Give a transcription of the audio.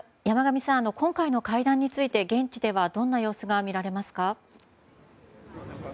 山上さん、今回の会談について現地ではどんな様子が見られますか。